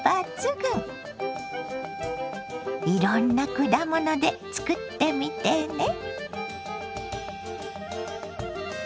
いろんな果物で作ってみてね。